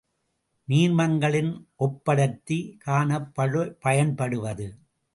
நீர்மங்களின் ஒப்படர்த்தி காணப் பயன்படுவது.